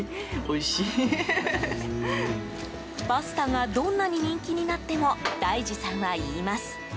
パスタがどんなに人気になっても大二さんは言います